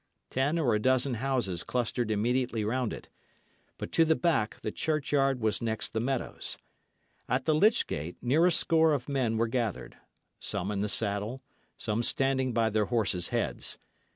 Ten or a dozen houses clustered immediately round it; but to the back the churchyard was next the meadows. At the lych gate, near a score of men were gathered, some in the saddle, some standing by their horses' heads.